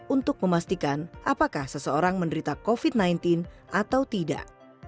untuk memastikan apakah seseorang menderita covid sembilan belas atau tidak